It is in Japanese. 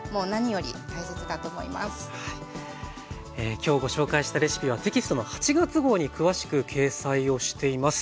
今日ご紹介したレシピはテキストの８月号に詳しく掲載をしています。